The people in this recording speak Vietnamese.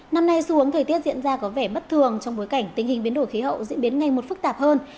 năm nay xu hướng thời tiết diễn ra có vẻ bất thường trong bối cảnh tình hình biến đổi khí hậu diễn biến ngày một phức tạp hơn